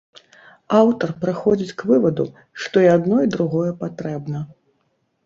Аўтар прыходзіць к вываду, што і адно і другое патрэбна.